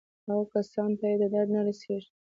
هغو کسانو ته یې درد نه رسېږي.